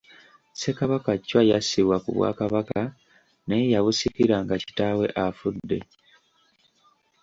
Ssekabaka Chwa yassibwa ku bwakabaka, naye yabusikira nga kitaawe afudde.